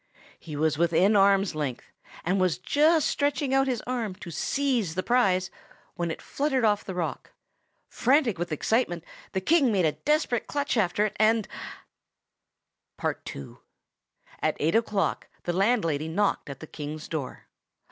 He was within arm's length, and was just stretching out his arm to seize the prize, when it fluttered off the rock. Frantic with excitement, the King made a desperate clutch after it, and— PART II. At eight o'clock the landlady knocked at the King's door.